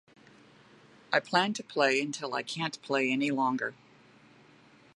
I plan to play until I can't play any longer.